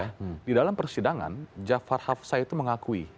karena di dalam persidangan jafar hafsah itu mengakui